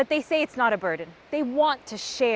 tapi mereka mengatakan ini bukan sebuah peraturan